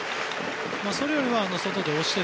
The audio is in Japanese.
それよりは外で押して。